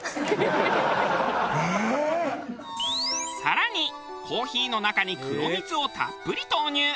更にコーヒーの中に黒蜜をたっぷり投入。